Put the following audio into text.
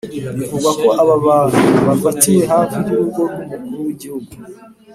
bivugwa ko aba bantu bafatiwe hafi y’urugo rw’umukuru w’igihugu